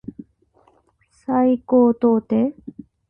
西高東低